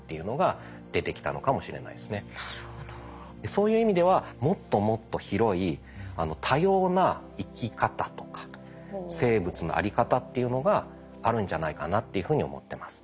そういう意味ではもっともっと広い多様な生き方とか生物のあり方っていうのがあるんじゃないかなっていうふうに思ってます。